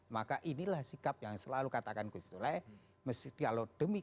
maka inilah sikap yang selalu katakan gusole